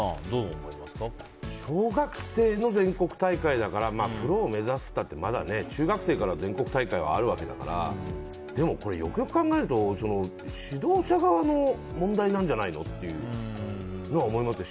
小学生の全国大会だからプロを目指すって言ったってまだ、中学生から全国大会はあるわけだからでも、よくよく考えると指導者側の問題なんじゃないのと思いますね。